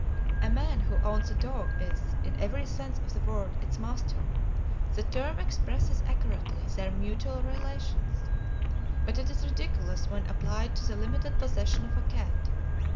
A man who owns a dog is, in every sense of the word, its master: the term expresses accurately their mutual relations. But it is ridiculous when applied to the limited possession of a cat.